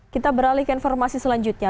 kita beralih ke informasi selanjutnya